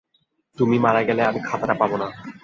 তুমি মারা গেলে আমি খাতাটা পাব না।